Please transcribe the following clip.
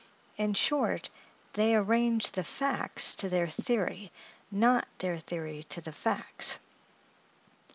In short, they arrange the facts to their theory, not their theory to the facts.